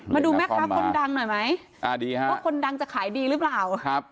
มาดูแม่ค้าคนดังหน่อยไหมอ่าดีฮะว่าคนดังจะขายดีหรือเปล่าครับ